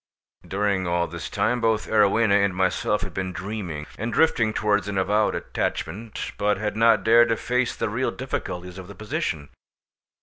During all this time both Arowhena and myself had been dreaming, and drifting towards an avowed attachment, but had not dared to face the real difficulties of the position.